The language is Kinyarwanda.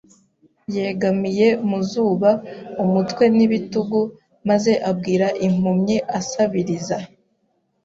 yegamiye mu zuba, umutwe n'ibitugu, maze abwira impumyi asabiriza